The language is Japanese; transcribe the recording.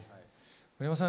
森山さん